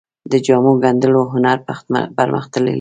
د جامو ګنډلو هنر پرمختللی و